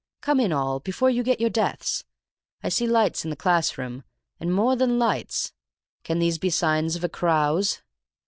Come in all, before you get your death. I see lights in the class room, and more than lights. Can these be signs of a carouse?"